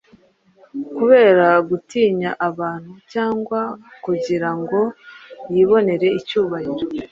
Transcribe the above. kubera gutinya abantu cyangwa kugira ngo yibonere icyubahiro?